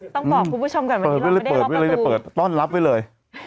ต้องบอกคุณผู้ชมกันวันนี้เราไม่ได้ล็อกประตูเปิดต้อนรับไว้เลย